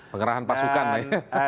pengerahan pasukan ya